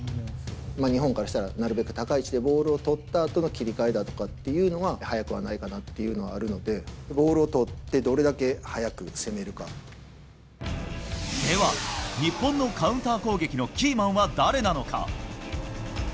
日本からしたらなるべく高い位置でボールを取ったあとの切り替えだとかっていうのが速くはないかなっていうのはあるので、ボールを取って、どれだけ速く攻では、日本のカウンター攻撃のキーマンは誰なのか。